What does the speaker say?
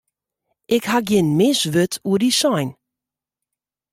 Ik haw gjin mis wurd oer dy sein.